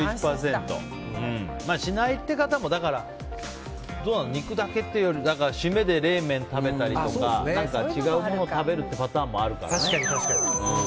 しないって方も肉だけっていうより締めで冷麺を食べたりとか違うもの食べるってパターンもあるからね。